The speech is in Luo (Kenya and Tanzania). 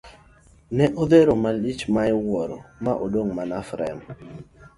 Ne odhero malich ma iwuoro ma odong' mana frem.